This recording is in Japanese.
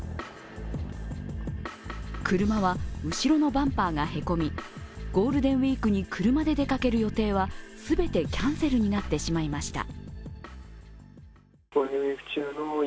車は後ろのバンパーがへこみゴールデンウイークに車で出かける予定は、全てキャンセルになってしまいました。